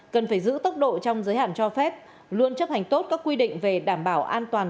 cần phải giữ tốc độ trong giới hạn cho phép luôn chấp hành tốt các quy định về đảm bảo an toàn